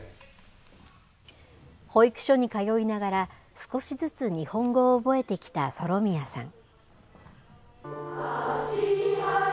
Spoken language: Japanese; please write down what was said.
保育所に通いながら、少しずつ日本語を覚えてきたソロミヤさん。